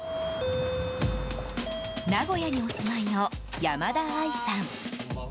名古屋にお住まいの山田あいさん。